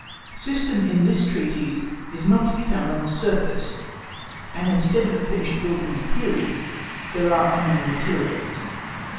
System in this treatise is not to be found on the surface, and instead of a finished building of theory, there are only materials.